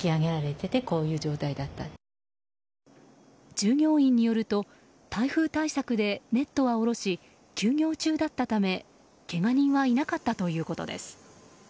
従業員によると台風対策でネットは下ろし休業中だったためけが人はいなかったということです。